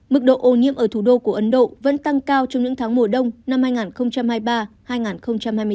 mức độ ô nhiễm ở thủ đô của ấn độ vẫn tăng cao trong những tháng mùa đông năm hai nghìn hai mươi ba hai nghìn hai mươi bốn